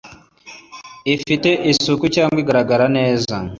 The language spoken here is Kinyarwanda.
ifite isuku cyangwa igaragara neza